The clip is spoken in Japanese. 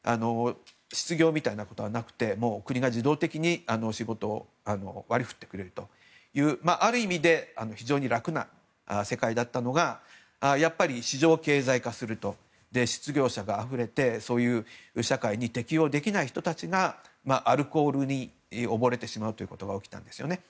失業みたいなことはなく国が自動的に仕事を割り振ってくれるというある意味で非常に楽な世界だったのがやっぱり市場経済化すると失業者があふれてそういう社会に適応できない人たちがアルコールに溺れてしまうということが起きたんですよね。